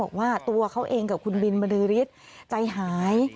บอกว่าตัวเขาเองกับคุณบินบรือฤทธิ์ใจหาย